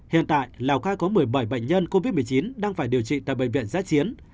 hiện tại lào cai có một mươi bảy bệnh nhân covid một mươi chín đang phải điều trị tại bệnh viện giá chiến